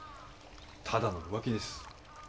ただの浮気です。